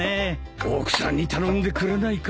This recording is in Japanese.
奥さんに頼んでくれないか？